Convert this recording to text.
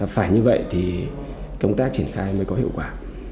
phải như vậy thì công tác triển khai mới có hiệu quả